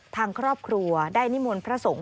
ทางครอบครัวได้นิมนต์พระสงฆ์